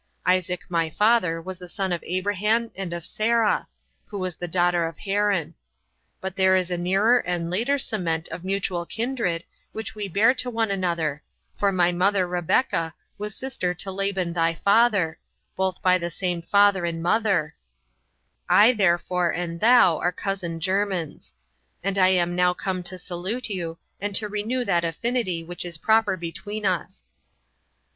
Isaac my father was the son of Abraham and of Sarah, who was the daughter of Haran. But there is a nearer and later cement of mutual kindred which we bear to one another, for my mother Rebeka was sister to Laban thy father, both by the same father and mother; I therefore and thou are cousin germans. And I am now come to salute you, and to renew that affinity which is proper between us."